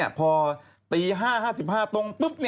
เยอะ